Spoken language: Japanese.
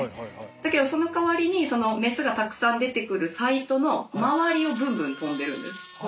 だけどそのかわりにメスがたくさん出てくるサイトの周りをブンブン飛んでるんです。